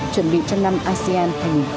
chuẩn bị cho năm asean hai nghìn hai mươi